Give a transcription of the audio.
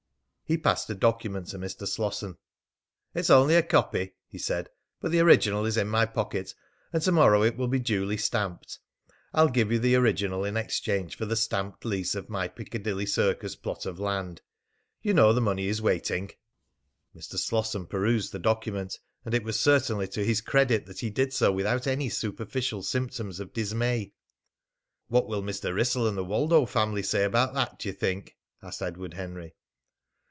He passed a document to Mr. Slosson. "It's only a copy," he said, "but the original is in my pocket, and to morrow it will be duly stamped. I'll give you the original in exchange for the stamped lease of my Piccadilly Circus plot of land. You know the money is waiting." Mr. Slosson perused the document; and it was certainly to his credit that he did so without any superficial symptoms of dismay. "What will Mr. Wrissell and the Woldo family say about that, do you think?" asked Edward Henry.